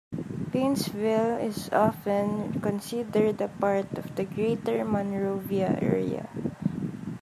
Paynesville is often considered a part of the Greater Monrovia area.